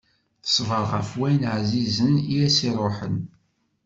Teṣber ɣef wayen ɛzizen i as-iruḥen.